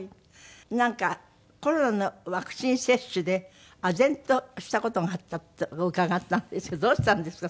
なんかコロナのワクチン接種であぜんとした事があったって伺ったんですけどどうしたんですか？